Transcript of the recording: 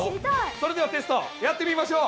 それではテストやってみましょう！